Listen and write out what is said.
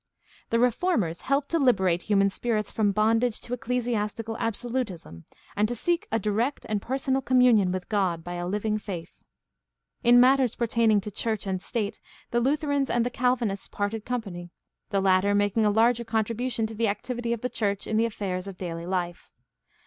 — The Reformers helped to liberate human spirits from bondage to ecclesiastical absolutism and to seek a direct and personal communion with God by a living faith. In matters pertaining to church and state the Luther ans and the Calvinists parted company, the latter making a larger contribution to the activity of the church in the affairs of daily life.